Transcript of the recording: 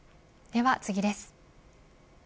では次です。